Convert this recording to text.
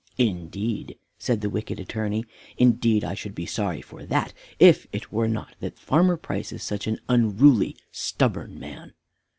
"Indeed," said the wicked Attorney, "indeed I should be sorry for that, if it were not that Farmer Price is such an unruly, stubborn man."